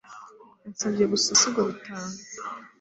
Yansabye gusoma ibisigo bitanu